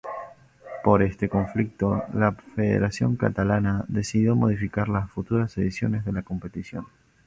Por este conflicto la Federación Catalana decidió modificar las futuras ediciones de la competición.